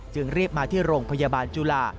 รีบมาที่โรงพยาบาลจุฬา